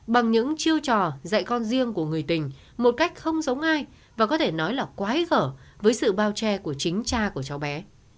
bằng những chiêu trò dạy con riêng của người tình một cách không giống ai và có thể nói là quá gở với sự bao che của chính cha của cháu bé